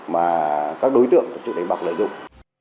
mà các đối tượng được đánh bạc lợi dụng